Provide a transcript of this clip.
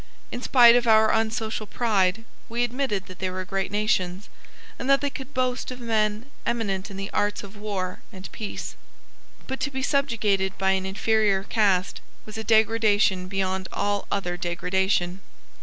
In spite of our unsocial pride, we admitted that they were great nations, and that they could boast of men eminent in the arts of war and peace. But to be subjugated by an inferior caste was a degradation beyond all other degradation.